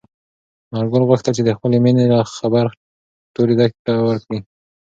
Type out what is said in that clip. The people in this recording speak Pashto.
انارګل غوښتل چې د خپلې مېنې خبر ټولې دښتې ته ورکړي.